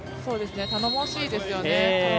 頼もしいですよね。